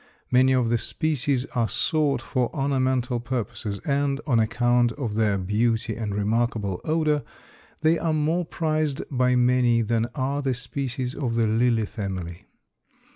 Many of the species are sought for ornamental purposes and, on account of their beauty and remarkable odor, they are more prized by many than are the species of the Lily family.